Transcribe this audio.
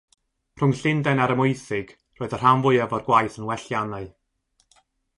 Rhwng Llundain a'r Amwythig, roedd y rhan fwyaf o'r gwaith yn welliannau.